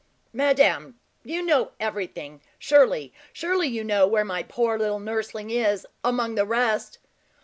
"Madame, you know everything surely, surely you know where my poor little nursling is, among the rest."